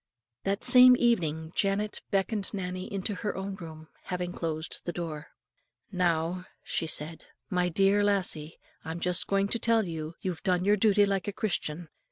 That same evening Janet beckoned Nannie into her own room, and having closed the door, "Now," she said, "my dear lassie, I'm just going to tell you, you've done your duty like a Christian.